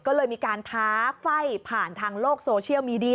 ก็เลยมีการท้าไฟ่ผ่านทางโลกโซเชียลมีเดีย